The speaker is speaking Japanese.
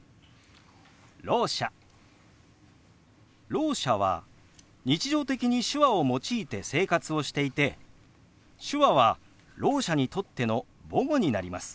ろう者は日常的に手話を用いて生活をしていて手話はろう者にとっての母語になります。